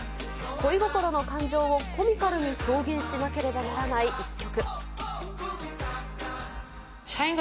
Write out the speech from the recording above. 恋心の感情をコミカルに表現しなければならない一曲。